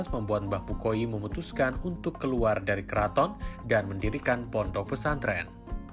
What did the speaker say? membuat mbah mukoyim memutuskan untuk keluar dari kraton dan mendirikan pondok pesantren